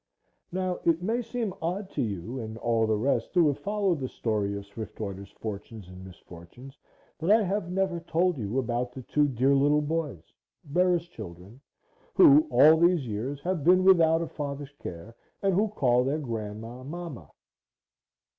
Now, it may seem odd to you and all the rest who have followed the story of Swiftwater's fortunes and misfortunes, that I have never told you about the two dear little boys Bera's children who all these years have been without a father's care and who call their Grandma "Mama."